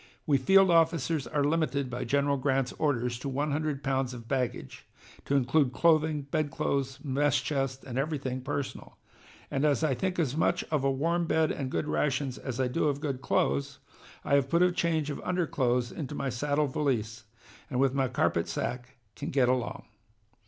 We field officers are limited by General Grant's orders to one hundred pounds of baggage, to include clothing, bedclothes, mess chest, and everything personal. And as I think as much of a warm bed and good rations as I do of good clothes, I have put a change of underclothes into my saddle valise, and with my carpet sack can get along.